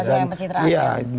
suka yang pencitraan ya